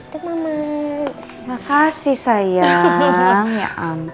terima kasih sayang